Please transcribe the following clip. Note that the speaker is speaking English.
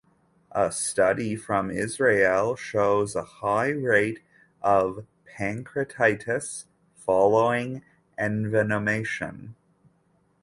A study from Israel shows a high rate of pancreatitis following envenomation.